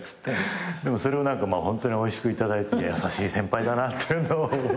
でもそれをホントにおいしくいただいて優しい先輩だなっていうのを。